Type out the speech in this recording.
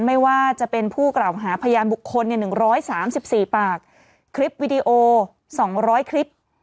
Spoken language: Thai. ไม่ว่าจะเป็นผู้กล่าวหาพยานบุคคล๑๓๔ปากคลิปวิดีโอ๒๐๐คลิป